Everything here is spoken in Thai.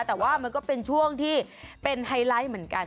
แต่ว่ามันก็เป็นช่วงที่เป็นไฮไลท์เหมือนกัน